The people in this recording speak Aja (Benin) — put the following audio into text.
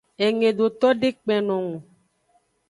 Engedoto de kpenno eng o.